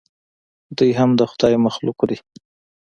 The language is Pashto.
دوى هم د خداى مخلوق دي.